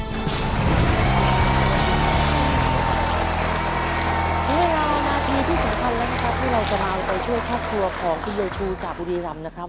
เวลานาทีที่สำคัญแล้วนะครับที่เราจะมาเอาใจช่วยครอบครัวของคุณยายชูจากบุรีรำนะครับ